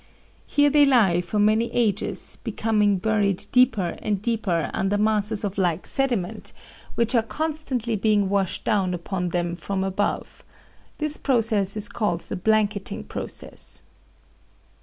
Here they lie for many ages, becoming buried deeper and deeper under masses of like sediment, which are constantly being washed down upon them from above. This process is called the blanketing process.